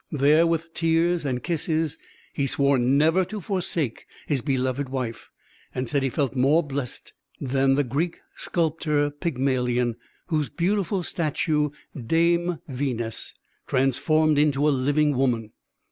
There, with tears and kisses, he swore never to forsake his beloved wife; and said he felt more blessed than the Greek sculptor Pygmalion, whose beautiful statue dame Venus transformed into a living woman.